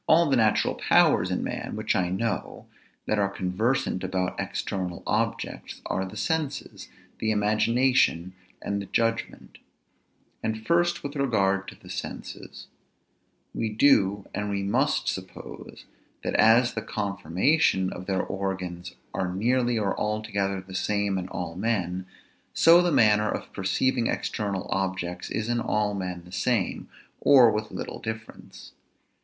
All the natural powers in man, which I know, that are conversant about external objects, are the senses; the imagination; and the judgment. And first with regard to the senses. We do and we must suppose, that as the conformation of their organs are nearly or altogether the same in all men, so the manner of perceiving external objects is in all men the same, or with little difference.